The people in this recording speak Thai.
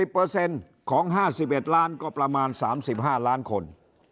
๗๐เปอร์เซ็นต์ของ๕๑ล้านก็ประมาณ๓๕ล้านคน